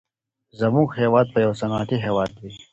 زموږ هېواد به يو صنعتي هېواد وي.